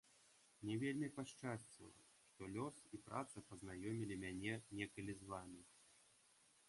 Мне вельмі пашчасціла, што лёс і праца пазнаёмілі мяне некалі з вамі.